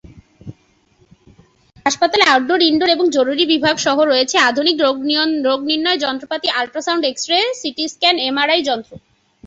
হাসপাতালে outdoor, indoor এবং জরুরি বিভাগ সহ রয়েছে আধুনিক রোগনির্ণয় যন্ত্রপাতি, ultrasound, x ray, CT scan, M R I যন্ত্র।